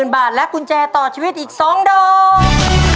๐บาทและกุญแจต่อชีวิตอีก๒ดอก